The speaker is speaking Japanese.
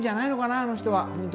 あの人は。